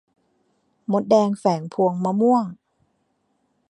มดแดงแฝงพวงมะม่วง